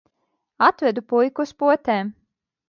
Atvedu puiku uz potēm.